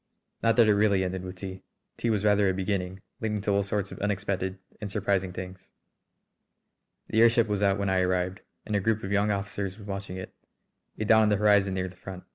Not that it really ended with tea. Tea was rather a beginning, leading to all sorts of unexpected and surprising things. The airship was out when I arrived, and a group of young officers was watching it, a dot on the horizon near the front.